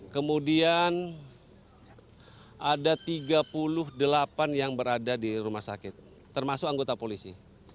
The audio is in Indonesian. kemudian ada tiga puluh delapan yang berada di rumah sakit termasuk anggota polisi